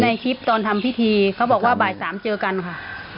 ในคลิปตอนทำพิธีเขาบอกว่าบ่ายสามเจอกันค่ะ